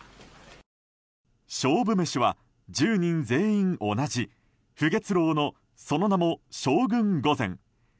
勝負メシは１０人全員同じ浮月楼のその名も将軍御膳。